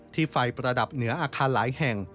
ไฟประดับเหนืออาคารหลายแห่ง